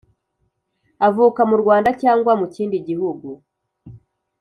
Avuka mu Rwanda cyangwa mu kindi gihugu .